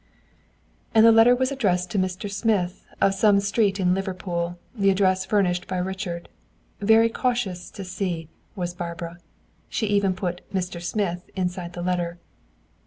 And the letter was addressed to Mr. Smith, of some street in Liverpool, the address furnished by Richard. Very cautious to see, was Barbara. She even put "Mr. Smith," inside the letter.